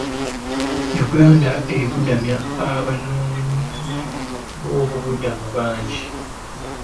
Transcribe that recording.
Uganda ebudamya abanoonyiboobubuddamu bangi.